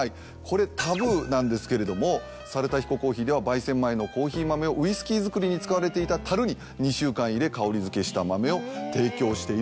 これタブーなんですけれども猿田彦珈琲では焙煎前のコーヒー豆をウイスキー作りに使われていた樽に２週間入れ香りづけした豆を提供していると。